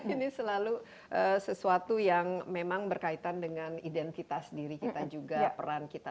ini selalu sesuatu yang memang berkaitan dengan identitas diri kita juga peran kita